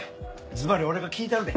ずばり俺が聞いたるで。